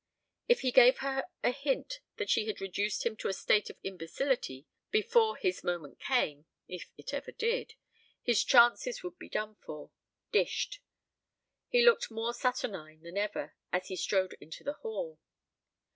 If he gave her a hint that she had reduced him to a state of imbecility before his moment came if it ever did! his chances would be done for dished. He looked more saturnine than ever as he strode into the hall.